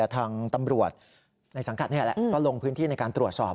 ทางตำรวจในสังกัดนี่แหละก็ลงพื้นที่ในการตรวจสอบ